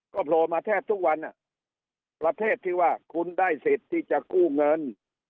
ก็โผล่มาแทบทุกวันประเทศที่ว่าคุณได้สิทธิ์ที่จะกู้เงิน